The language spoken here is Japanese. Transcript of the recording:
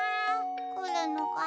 くるのかな？